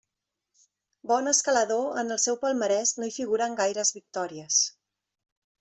Bon escalador, en el seu palmarès no hi figuren gaires victòries.